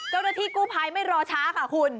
เจ้าหน้าที่กู้ภัยไม่รอช้าค่ะคุณ